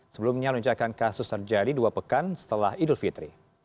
sebelumnya lonjakan kasus terjadi dua pekan setelah idul fitri